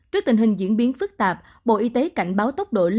trước tình hình diễn biến phức tạp bộ y tế cảnh báo tốc độ